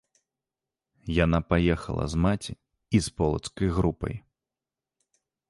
Яна паехала з маці і з полацкай групай.